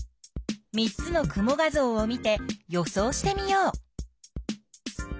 ３つの雲画ぞうを見て予想してみよう。